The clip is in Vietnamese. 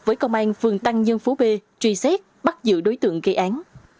với công an phường tăng nhân phú b truy xét bắt giữ đối tượng gây án